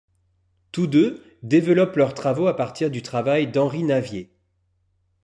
Tous deux développent leurs travaux à partir du travail d'Henri Navier.